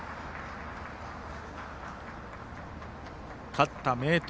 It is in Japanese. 勝った明徳